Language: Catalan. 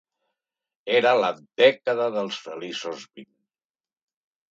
Era la dècada dels feliços vint.